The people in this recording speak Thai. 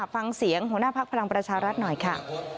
ฟังเสียงหัวหน้าพักพลังประชารัฐหน่อยค่ะ